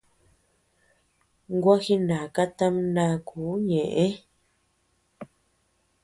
Gua jinaka tama ndakuu ñeʼe.